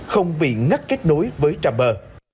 không bị ngắt kết nối với trà bờ